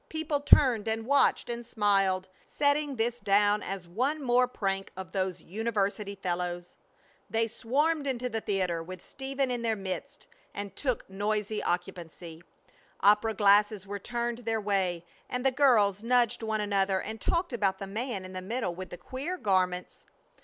People turned and watched and smiled, setting this down as one more prank of those university fellows. They swarmed into the theater, with Stephen in their midst, and took noisy occupancy. Opera glasses were turned their way, and the girls nudged one another and talked about the man in the middle with the queer garments.